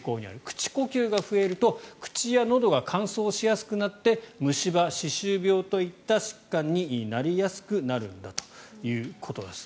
口呼吸が増えると口やのどが乾燥しやすくなって虫歯、歯周病といった疾患になりやすくなるんだということです。